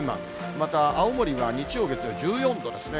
また青森は日曜、月曜１４度ですね。